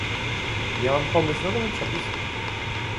Miałam pomysł na nowy przepis.